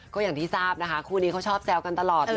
ก็อย่างที่ทราบนะคะคู่นี้เขาชอบแซวกันตลอดเลย